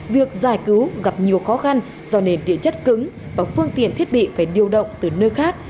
việc giải cứu gặp nhiều khó khăn do nền địa chất cứng và phương tiện thiết bị phải điều động từ nơi khác